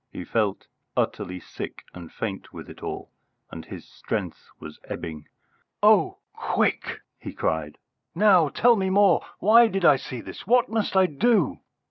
He felt utterly sick and faint with it all, and his strength was ebbing. "Oh, quick!" he cried, "now tell me more. Why did I see this? What must I do?"